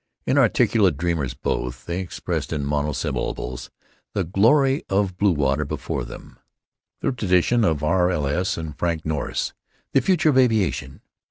Inarticulate dreamers both, they expressed in monosyllables the glory of bluewater before them, the tradition of R. L. S. and Frank Norris, the future of aviation.